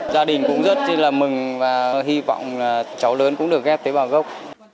gia đình cũng rất là mừng và hy vọng là cháu lớn cũng được ghép tế bào gốc